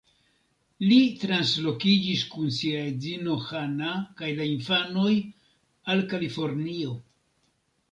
Li translokiĝis kun sia edzino Hana kaj la infanoj al Kalifornio.